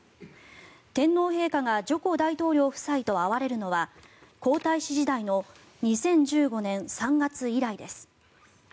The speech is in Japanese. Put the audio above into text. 天皇陛下がジョコ大統領夫妻と会われるのは皇太子時代の２０１５年３月以来です。